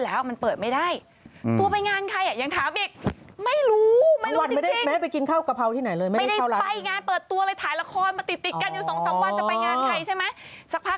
แล้วคือแฟนตัวจริงพี่เมย์ก็ตกใจว่า